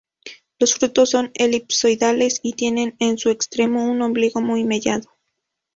Los frutos son elipsoidales y tienen en su extremo un ombligo muy mellado.